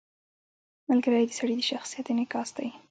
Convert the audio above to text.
• ملګری د سړي د شخصیت انعکاس دی.